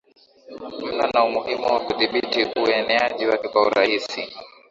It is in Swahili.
mno na umuhimu wa kudhibiti ueneaji wake kwa urahisi